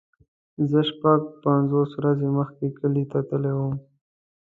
زه شپږ پنځوس ورځې مخکې کلی ته تللی وم.